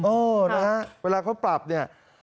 เออนะฮะเวลาเขาปรับเนี่ย